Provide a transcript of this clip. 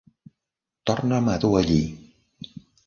Torna'm a dur allí.